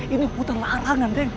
ini hutan larangan den